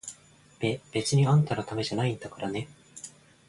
べ、別にあんたのためじゃないんだからね！